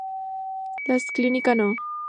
La Clínica No.